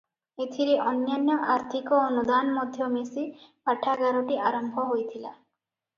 ଏଥିରେ ଅନ୍ୟାନ୍ୟ ଆର୍ଥିକ ଅନୁଦାନ ମଧ୍ୟ ମିଶି ପାଠାଗାରଟି ଆରମ୍ଭ ହୋଇଥିଲା ।